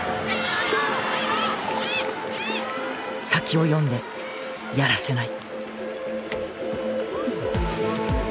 先を読んでやらせない。